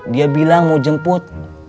dia bilang mau jemput